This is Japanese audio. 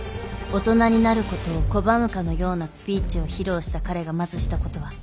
大人になることを拒むかのようなスピーチを披露した彼がまずしたことは。